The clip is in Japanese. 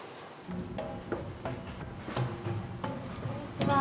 こんにちは。